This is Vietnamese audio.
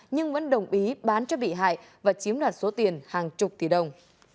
nhưng vẫn đồng ý bán cho bị hại và chiếm đoạt số tiền hàng chục tỷ đồng